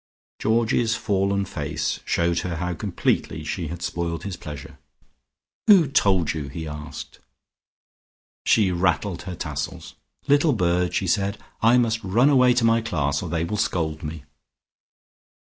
Georgie's fallen face shewed her how completely she had spoiled his pleasure. "Who told you?" he asked. She rattled her tassels. "Little bird!" she said. "I must run away to my class, or they will scold me."